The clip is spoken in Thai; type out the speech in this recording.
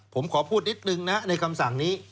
ผมขอพูดนิดนึงนะในคำสั่งนี้